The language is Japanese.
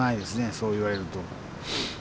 そう言われると。